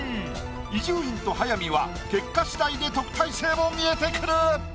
伊集院と早見は結果しだいで特待生も見えてくる！